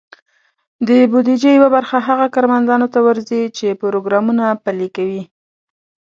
د بودیجې یوه برخه هغه کارمندانو ته ورځي، چې پروګرامونه پلي کوي.